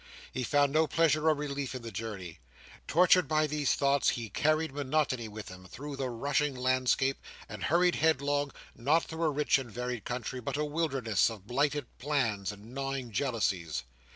He found no pleasure or relief in the journey. Tortured by these thoughts he carried monotony with him, through the rushing landscape, and hurried headlong, not through a rich and varied country, but a wilderness of blighted plans and gnawing jealousies.